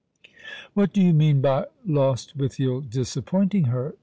" What do you mean by Lostwithiel disappointing her